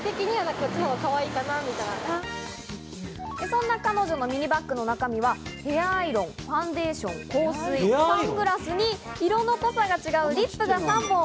そんな彼女のミニバッグの中身はヘアアイロン、ファンデーション、香水、サングラスに、色の濃さが違うリップが３本。